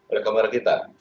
oleh kamera kita